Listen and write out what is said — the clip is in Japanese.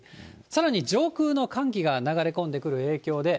さらに上空の寒気が流れ込んでくる影響で、